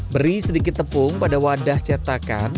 beri sedikit tepung pada wadah cetakan